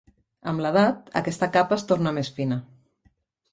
Amb l'edat, aquesta capa es torna més fina.